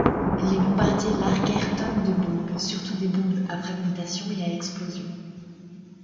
Les bombardiers larguèrent tonnes de bombes, surtout des bombes à fragmentation et à explosion.